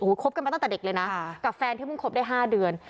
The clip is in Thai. คบกันมาตั้งแต่เด็กเลยนะกับแฟนที่เพิ่งคบได้๕เดือน